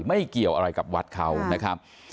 ไม่เกี่ยวอะไรกับวัดเขานะครับ